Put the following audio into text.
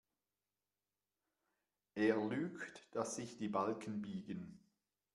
Er lügt, dass sich die Balken biegen.